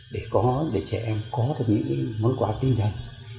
để trẻ em có được những mối quả tinh thần